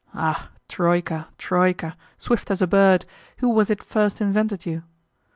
Ah, troika, troika, swift as a bird, who was it first invented you?